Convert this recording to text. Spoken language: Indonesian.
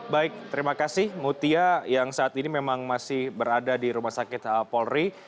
baik terima kasih mutia yang saat ini memang masih berada di rumah sakit polri